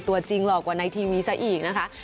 ตัวจริงหล่อกว่าในทีวีซะอีกนะคะ